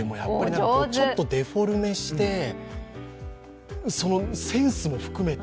ちょっとデフォルメして、センスも含めて。